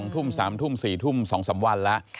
ทุ่ม๓ทุ่ม๔ทุ่ม๒๓วันแล้ว